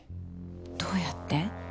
どうやって？